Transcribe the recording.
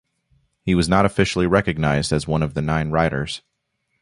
He was not officially recognized as one of the nine riders.